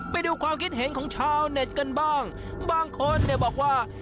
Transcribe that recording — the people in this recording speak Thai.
ไปดูความคิดเห็นของชาวเน็ตกันบ้างบางคนเนี่ยบอกว่า